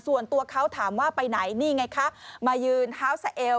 ส่วนตัวเขาถามว่าไปไหนนี่ไงคะมายืนเท้าสะเอว